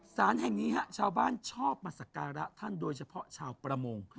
สารแห่งนี้ชาวบ้านชอบมาสักการะท่านโดยเฉพาะชาวประมง